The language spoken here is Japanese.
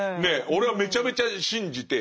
俺はめちゃめちゃ信じて。